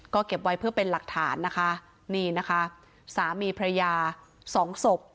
ก็เก็บไว้เพื่อเป็นหลักฐานนะคะนี่นะคะสามีพระยาสองศพ